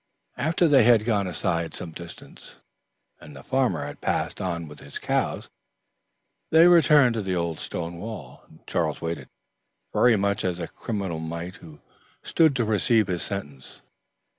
After they had gone aside some distance, and the farmer had passed on with his cows, they returned to the old stone wall, and Charles waited, very much as a criminal might, who stood to receive his sentence.